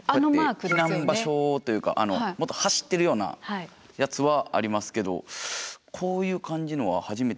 避難場所というかもっと走ってるようなやつはありますけどこういう感じのは初めて見ましたね。